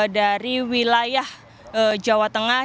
dari wilayah jawa tengah